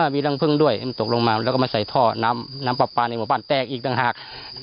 มีรังพึ่งด้วยมันตกลงมาแล้วก็มาใส่ท่อน้ำปลาปลาในหมู่บ้านแตกอีกต่างหาก